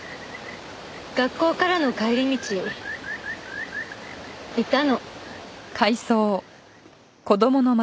学校からの帰り道いたの。